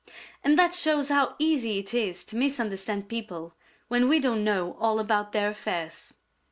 And that shows how easy it is to misunderstand people when we don't know all about their affairs.